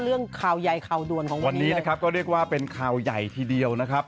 เรื่องข่าวใหญ่ข่าวด่วนของวันนี้นะครับก็เรียกว่าเป็นข่าวใหญ่ทีเดียวนะครับ